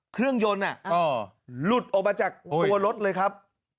เครื่องยนต์หลุดออกมาจากตัวรถเลยครับ